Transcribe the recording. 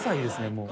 もう。